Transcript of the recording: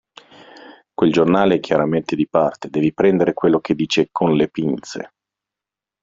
Quel giornale è chiaramente di parte, devi prendere quello che dice con le pinze.